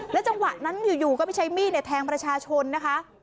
จังหวะนั้นอยู่ก็ไปใช้มีดแทงประชาชนนะคะ